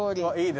はい。